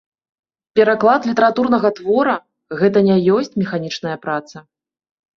Пераклад літаратурнага твора гэта не ёсць механічная праца.